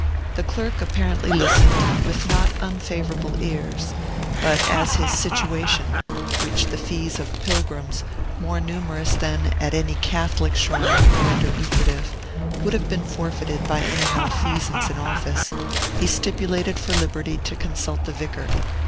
The clerk apparently listened with not unfavorable ears; but, as his situation (which the fees of pilgrims, more numerous than at any Catholic shrine, render lucrative) would have been forfeited by any malfeasance in office, he stipulated for liberty to consult the vicar.